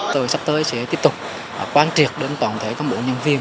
tội sắp tới sẽ tiếp tục quán triệt đến toàn thể công bộ nhân viên